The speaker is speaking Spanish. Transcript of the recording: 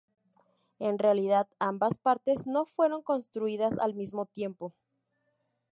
En realidad, ambas partes no fueron construidas al mismo tiempo.